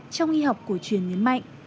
trong nghi học của chuyên nhân mạnh